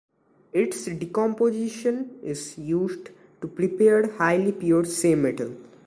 Its decomposition is used to prepare highly pure Se metal.